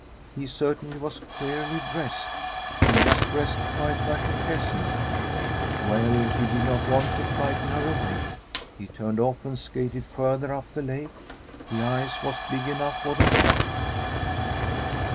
He certainly was queerly dressed; he was dressed quite like a peasant. Well, he did not want to frighten her away. He turned off and skated further up the lake ; the ice was big enough for them both.